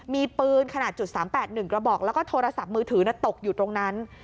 มีปืนขนาด๓๘๑กระบอกแล้วก็โทรศัพท์มือถือตกอยู่ตรงนั้น